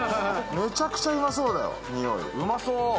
めちゃくちゃうまそうだよ、匂い。